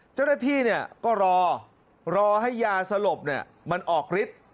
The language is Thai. เจ้าหน้าที่ก็รอรอให้ยาสลบมันออกฤทธิ์